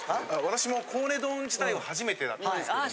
私もコウネ丼自体は初めてだったんですけども。